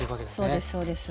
そうですそうです。